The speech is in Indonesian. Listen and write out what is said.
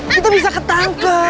kita bisa ketangkeh